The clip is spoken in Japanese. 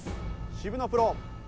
渋野プロ。